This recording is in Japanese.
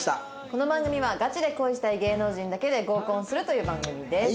この番組はガチで恋したい芸能人だけで合コンをするという番組です。